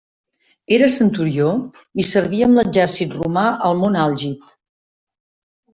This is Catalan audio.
Era centurió i servia amb l'exèrcit romà al mont Àlgid.